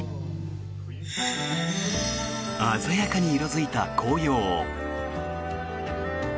鮮やかに色付いた紅葉。